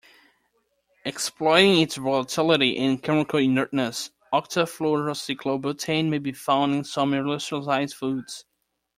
Exploiting its volatility and chemical inertness, octafluorocyclobutane may be found in some aerosolized foods.